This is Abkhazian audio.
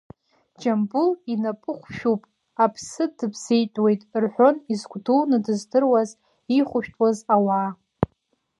Џьамбул инапы хәшәуп, аԥсы дыбзеитәуеит рҳәон изгәдууны, дыздыруаз, иихәышәтәуаз ауаа.